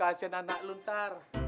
kasian anak lu ntar